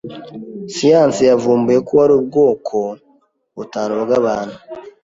Siyanse yavumbuye ko hari ubwoko butanu bwabantu.